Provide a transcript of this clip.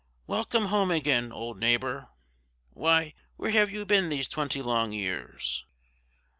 Welcome home again, old neighbor. Why, where have you been these twenty long years?"